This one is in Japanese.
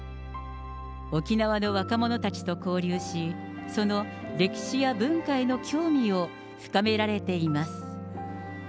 沖縄の若者たちと交流し、その歴史や文化への興味を深められています。